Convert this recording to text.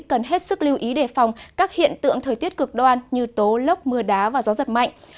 cần hết sức lưu ý đề phòng các hiện tượng thời tiết cực đoan như tố lốc mưa đá và gió giật mạnh